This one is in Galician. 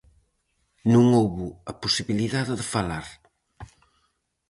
Non houbo a posibilidade de falar.